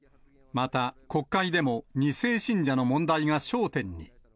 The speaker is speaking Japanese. また、国会でも２世信者の問題が焦点に。